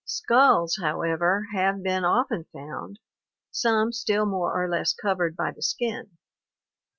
Skulls, however, have been often found, some still more or less covered by the skin.